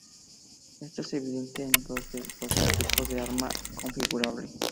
Esto es evidente en dos de los tipos de arma configurable.